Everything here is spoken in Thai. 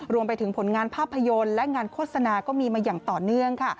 รวมไปถึงผลงานภาพยนตร์และงานโฆษณาก็มีมาอย่างต่อเนื่องค่ะ